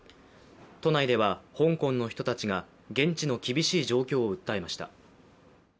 都内では、香港の人たちが現地の厳しい状況を訴えました。